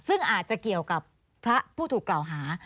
ซึ่งอาจจะเกี่ยวกับพระผู้ถูกกล่าวหา